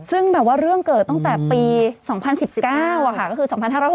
ซึ่งแบบว่าเรื่องเกิดตั้งแต่ปี๒๐๑๙ก็คือ๒๕๖๖